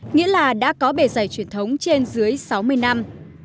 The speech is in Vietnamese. nghĩa là đã có bề dày truyền thống trên dưới sáu mươi năm